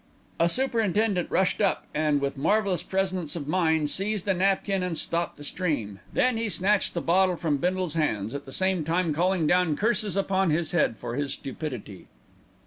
A superintendent rushed up and, with marvellous presence of mind, seized a napkin and stopped the stream. Then he snatched the bottle from Bindle's hands, at the same time calling down curses upon his head for his stupidity.